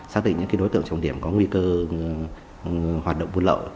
xác định những đối tượng trọng điểm có nguy cơ hoạt động buôn lậu